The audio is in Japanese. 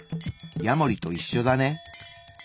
ヤモリといっしょだね。